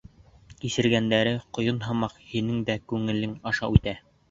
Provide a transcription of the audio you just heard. Кисергәндәре ҡойон һымаҡ һинең дә күңелең аша үтә.